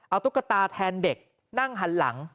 เอาตุ๊กตาแทนเด็กนั่งหันหลัง